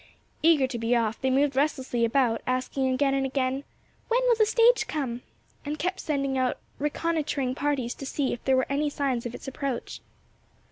Eager to be off, they moved restlessly about asking again and again, "When will the stage come?" and kept sending out reconnoitering parties to see if there were any signs of its approach.